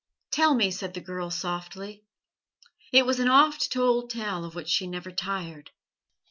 "Tell me," said the girl softly. It was an oft told tale of which she never tired.